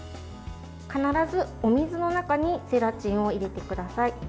必ず、お水の中にゼラチンを入れてください。